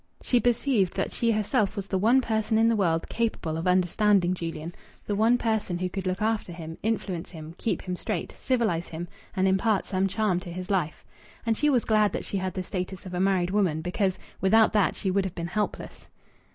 She perceived that she herself was the one person in the world capable of understanding Julian, the one person who could look after him, influence him, keep him straight, civilize him, and impart some charm to his life. And she was glad that she had the status of a married woman, because without that she would have been helpless.